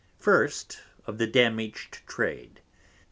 First, of the Damage to Trade.